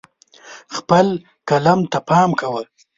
خپل قلم ته پام کوه.